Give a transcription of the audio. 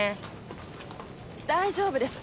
大丈夫です。